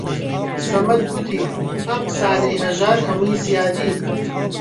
سەمەد گوتی: ئەم قسانەی هەژار هەمووی زیادین